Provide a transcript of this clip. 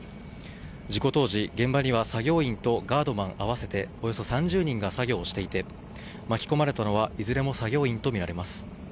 事故当時、現場には作業員とガードマン、合わせておよそ３０人が作業をしていて巻き込まれたのはいずれも作業員とみられます。